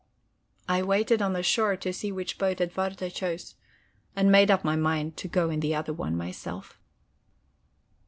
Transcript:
I waited on the shore to see which boat Edwarda chose, and made up my mind to go in the other one myself.